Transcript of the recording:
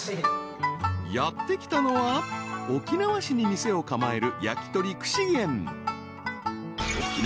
［やって来たのは沖縄市に店を構える］